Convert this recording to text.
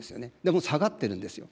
もう下がってるんですよ。